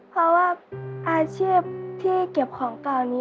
เพราะว่าอาชีพที่เก็บของเก่านี้